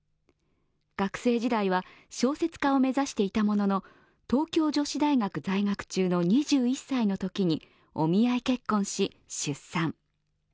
学生時代は小説家を目指していたものの東京女子大学在学中の２１歳のときにお見合い結婚し、出産。